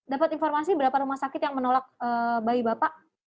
dapat informasi berapa rumah sakit yang menolak bayi bapak